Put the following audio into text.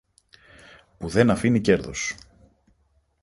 που δεν αφήνει κέρδος.